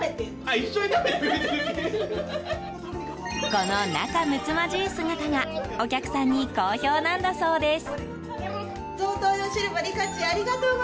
この仲睦まじい姿がお客さんに好評なんだそうです。